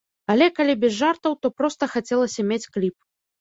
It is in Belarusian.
Але калі без жартаў, то проста хацелася мець кліп.